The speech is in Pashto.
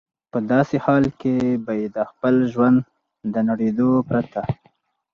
په داسې حال کې به یې د خپل ژوند د نړېدو پرته.